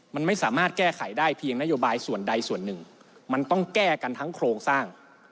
มันไม่สามารถแก้ไขได้เพียงนโยบายส่วนใดส่วนหนึ่งมันต้องแก้กันทั้งโครงสร้าง